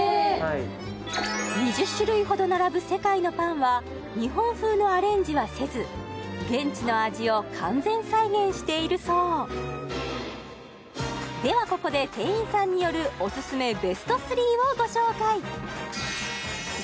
２０種類ほど並ぶ世界のパンは日本風のアレンジはせず現地の味を完全再現しているそうではここで店員さんによるオススメベスト３をご紹介！